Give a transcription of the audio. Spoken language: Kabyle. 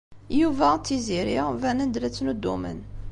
Yuba d Tiziri banen-d la ttnuddumen.